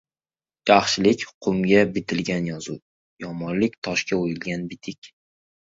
• Yaxshilik — qumga bitilgan yozuv, yomonlik — toshga o‘yilgan bitik.